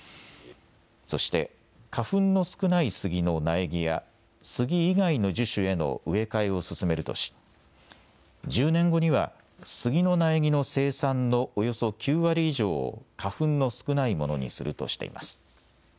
そして、花粉の少ないスギの苗木や、スギ以外の樹種への植え替えを進めるとし、１０年後にはスギの苗木の生産のおよそ９割以上を花粉の少ないものにするとしています。